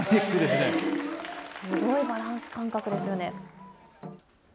すごいバランス感覚ですよね。